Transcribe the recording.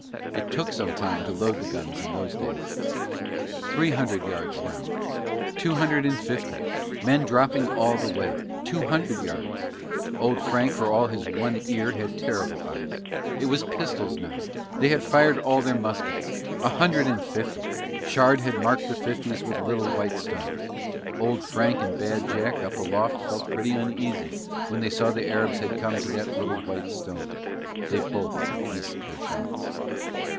It took some time to load the guns in those days. Three hundred yards, two hundred and fifty, men dropping all the way, two hundred yards; Old Frank for all his one ear had terrible eyes; it was pistols now, they had fired all their muskets; a hundred and fifty; Shard had marked the fifties with little white stones. Old Frank and Bad Jack up aloft felt pretty uneasy when they saw the Arabs had come to that little white stone, they both missed their shots.